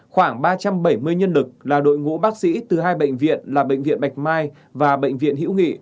khoảng ba trăm bảy mươi nhân lực là đội ngũ bác sĩ từ hai bệnh viện là bệnh viện bạch mai và bệnh viện hữu nghị